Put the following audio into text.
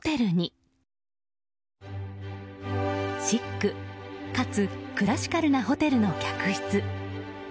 シックかつクラシカルなホテルの客室。